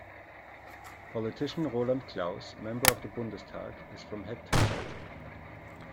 Politician Roland Claus, member of the Bundestag, is from Hettstedt.